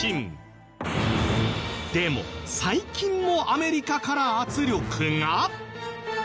でも最近もアメリカから圧力が？